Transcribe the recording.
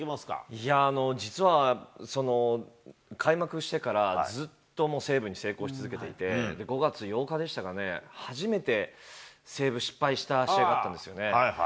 いやー、実は開幕してから、ずっともうセーブに成功し続けていて、５月８日でしたかね、初めてセーブ失敗した試合があったんですよね。